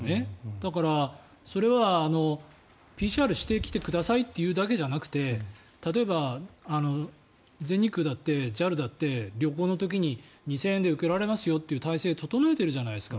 だから、それはＰＣＲしてきてくださいって言うだけじゃなくて例えば全日空だってＪＡＬだって旅行の時に２０００円で受けられますよという体制を整えているじゃないですか